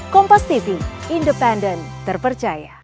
kompas tv independen terpercaya